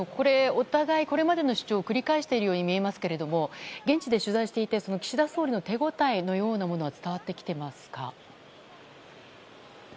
お互いこれまでの主張を繰り返しているように見えますけども現地で取材していて岸田総理の手応えのようなものは伝わってきていますか。